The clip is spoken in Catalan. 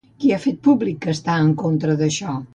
Qui ha fet públic que està en contra d'això?